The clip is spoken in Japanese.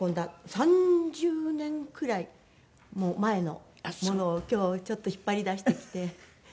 ３０年くらい前のものを今日はちょっと引っ張り出してきて。